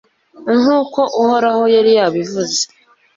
nk'uko uhoraho yari yabivuze